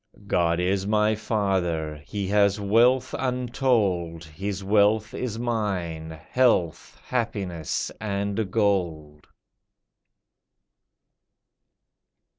God is my father, He has wealth untold, His wealth is mine, health, happiness, and gold."